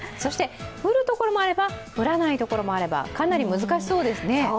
降るところもあれば、降らないところもあれば、かなり難しそうですね。